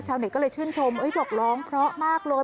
ก็เลยชื่นชมบอกร้องเพราะมากเลย